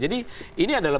jadi ini adalah